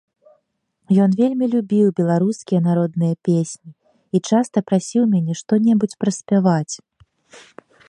Ён вельмі любіў беларускія народныя песні і часта прасіў мяне што-небудзь праспяваць.